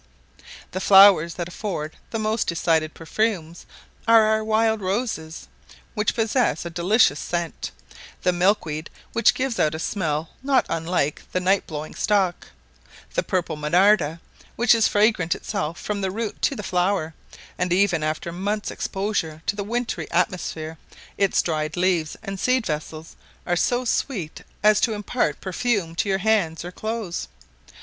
The flowers that afford the most decided perfumes are our wild roses, which possess a delicious scent: the milk weed, which gives out a smell not unlike the night blowing stock; the purple monarda, which is fragrance itself from the root to the flower, and even after months' exposure to the wintry atmosphere; its dried leaves and seed vessels are so sweet as to impart perfume to your hands or clothes.